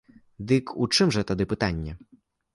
Дык у чым жа тады пытанне?